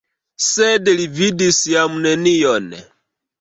Sed li vidis jam nenion.